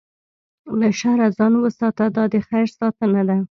له شره ځان وساته، دا د خیر ساتنه ده.